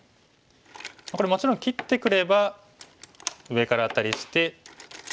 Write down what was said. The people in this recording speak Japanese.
これもちろん切ってくれば上からアタリして。